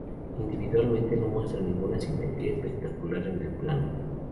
Individualmente, no muestran ninguna simetría especular en el plano.